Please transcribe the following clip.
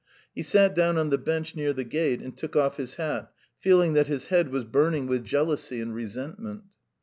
He sat down on the bench near the gate and took off his hat, feeling that his head was burning with jealousy and resentment.